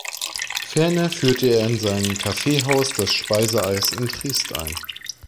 Ferner führte er in seinem Kaffeehaus das Speiseeis in Triest ein.